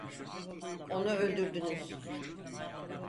Onu öldürdünüz.